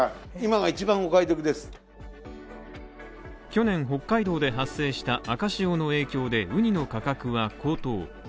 去年北海道で発生した赤潮の影響でウニの価格は高騰。